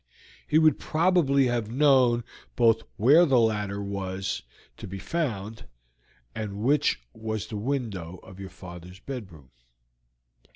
He would probably have known both where the ladder was to be found and which was the window of your father's bedroom."